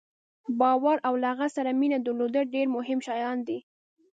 باور او له هغه سره مینه درلودل ډېر مهم شیان دي.